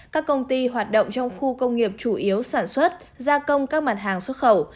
các công ty hoạt động trong khu công nghiệp chủ yếu sản xuất gia công các mặt hàng xuất khẩu